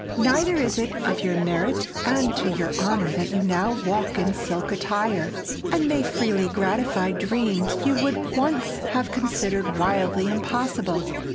Neither is it of your merit and to your honor that you now walk in silk attire, and may freely gratify dreams you would once have considered wildly impossible.